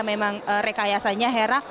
memang rekayasanya hera